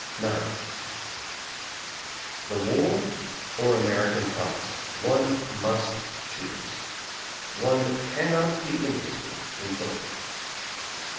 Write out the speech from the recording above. IX The war — or American promise: one must choose. One cannot be interested in both.